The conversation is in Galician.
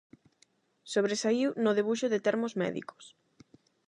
Sobresaíu no debuxo de termos médicos.